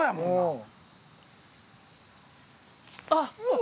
あっ。